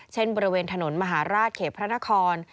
บริเวณถนนมหาราชเขตพระนคร